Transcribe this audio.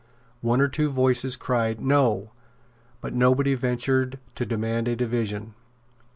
One or two voices cried "No;" but nobody ventured to demand a division.